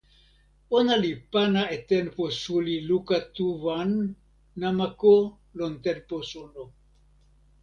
ona li pana e tenpo suli luka tu wan namako lon tenpo suno.